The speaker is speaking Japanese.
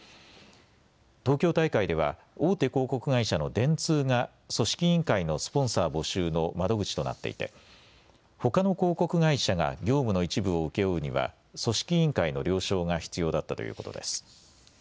東京大会では大手広告会社の電通が組織委員会のスポンサー募集の窓口となっていてほかの広告会社が業務の一部を請け負うには組織委員会の了承が必要だったということです。